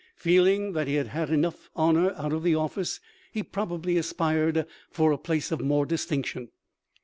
Feeling that he had had enough honor out of the office he probably aspired for a place of more distinction.